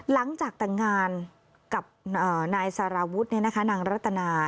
หลังจากแต่งงานกับนายสารวุฒินางรัตนา